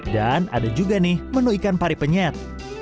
dan ada juga nih menu ikan pari penyet